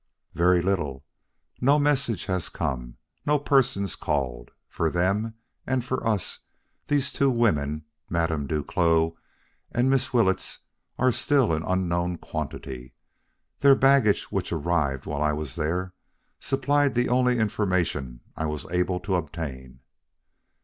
"Very little. No message has come; no persons called. For them and for us these two women, Madame Duclos and Miss Willetts, are still an unknown quantity. Their baggage, which arrived while I was there, supplied the only information I was able to obtain."